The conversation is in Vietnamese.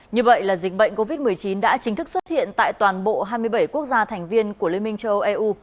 như vậy là dịch bệnh covid một mươi chín đã chính thức xuất hiện tại toàn bộ hai mươi bảy quốc gia thành viên của liên minh châu âu eu